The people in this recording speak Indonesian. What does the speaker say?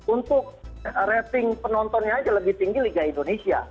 untuk rating penontonnya aja lebih tinggi liga indonesia